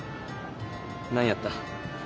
何やった。